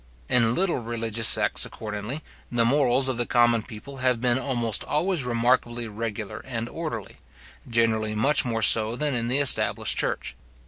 In little religious sects, accordingly, the morals of the common people have been almost always remarkably regular and orderly; generally much more so than in the established church.